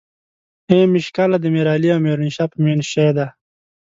ای ميژ کله دې ميرعلي او میرومشا په میون شې ده